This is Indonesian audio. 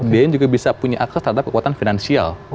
dia juga bisa punya akses terhadap kekuatan finansial